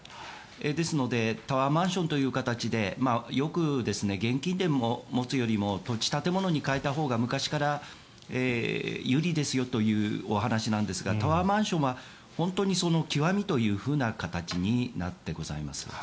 ですのでタワーマンションという形でよく現金で持つよりも土地、建物に換えたほうが昔から有利ですよというお話なんですがタワーマンションは本当にその極みというふうな形になってございます。